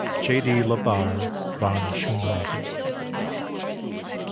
—J. D. LaBarre Van Schoonhoven.